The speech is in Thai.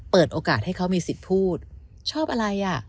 เปิดโอกาสให้เขามีสิทธิ์พูดชอบอะไรอ่ะ